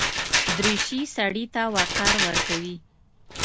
دریشي سړي ته وقار ورکوي.